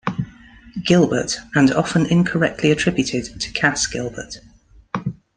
Gilbert, and often incorrectly attributed to Cass Gilbert.